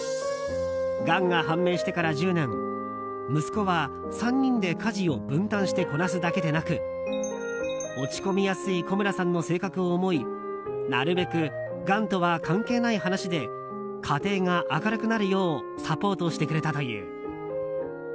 がんが判明してから１０年息子は３人で家事を分担してこなすだけでなく落ち込みやすい古村さんの性格を思いなるべく、がんとは関係ない話で家庭が明るくなるようサポートしてくれたという。